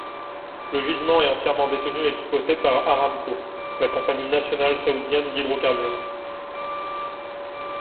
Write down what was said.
Le gisement est entièrement détenu et exploité par Aramco, la compagnie nationale saoudienne d'hydrocarbures.